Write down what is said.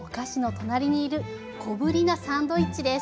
隣にいる小ぶりなサンドイッチです。